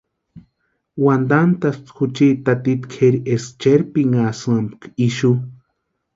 Wantantʼaspti juchiti táti kʼéri eska cherpinhasïampka ixu.